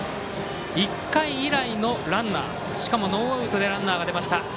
１回以来のランナーしかもノーアウトでランナーが出ました。